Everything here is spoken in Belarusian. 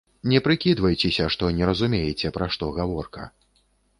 Не прыкідвайцеся, што не разумееце, пра што гаворка.